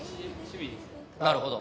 なるほど。